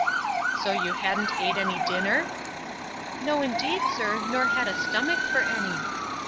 —So you ha'nt ate any dinner? No, indeed, sir, nor had a stomach for any.